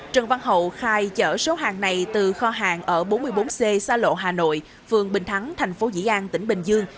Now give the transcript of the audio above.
trần văn hậu khai chở số hàng này từ kho hàng ở bốn mươi bốn c sa lộ hà nội phường bình thắng thành phố dĩ an tỉnh bình dương